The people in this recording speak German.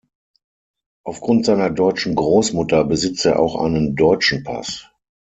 Aufgrund seiner deutschen Großmutter besitzt er auch einen deutschen Pass.